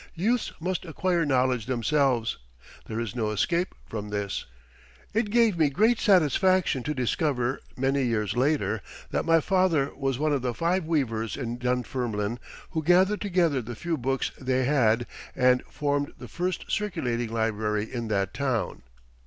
Youths must acquire knowledge themselves. There is no escape from this. It gave me great satisfaction to discover, many years later, that my father was one of the five weavers in Dunfermline who gathered together the few books they had and formed the first circulating library in that town.